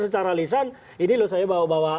secara lisan ini loh saya bawa bawa